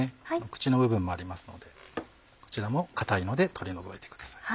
口の部分もありますのでこちらも硬いので取り除いてください。